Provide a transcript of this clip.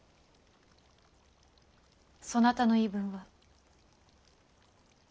そなたの言い分は？